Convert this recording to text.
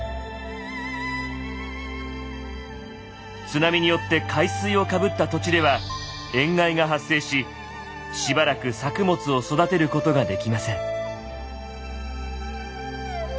津波によって海水をかぶった土地では塩害が発生ししばらく作物を育てることができません。